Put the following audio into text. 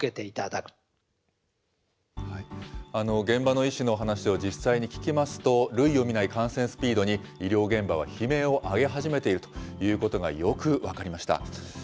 現場の医師の話を実際に聞きますと、類を見ない感染スピードに医療現場は悲鳴を上げ始めているということがよく分かりました。